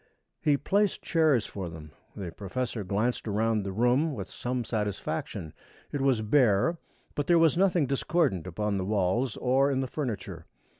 He placed chairs for them. The professor glanced around the room with some satisfaction. It was bare, but there was nothing discordant upon the walls or in the furniture.